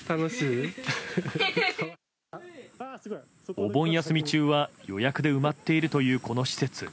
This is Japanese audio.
お盆休み中は予約で埋まっているという、この施設。